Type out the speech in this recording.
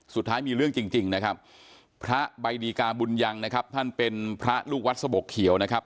สุดท้ายมีเรื่องจริงนะครับพระใบดีกาบุญยังนะครับท่านเป็นพระลูกวัดสะบกเขียวนะครับ